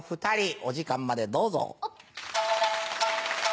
お時間までどうぞ。